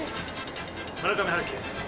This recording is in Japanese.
村上春樹です。